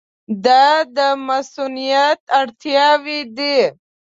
دا د مصونیت اړتیاوې دي.